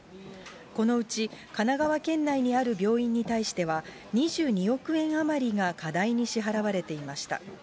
このうち神奈川県内にある病院に対しては、２２億円余りが過大に支払われていました。